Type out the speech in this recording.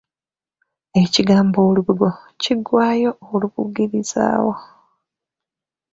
Ekigambo olubugo kiggwaayo Olubugirizaawo.